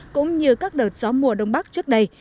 cũng như các đợt gió mùa đông bắc trước đây